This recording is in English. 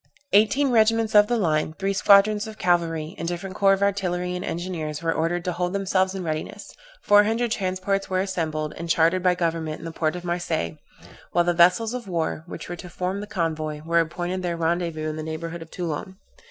Eighteen regiments of the line, three squadrons of cavalry, and different corps of artillery and engineers were ordered to hold themselves in readiness; four hundred transports were assembled, and chartered by government in the port of Marseilles, while the vessels of war, which were to form the convoy, were appointed their rendezvous in the neighborhood of Toulon.